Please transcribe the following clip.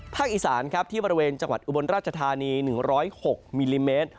อีสานครับที่บริเวณจังหวัดอุบลราชธานี๑๐๖มิลลิเมตร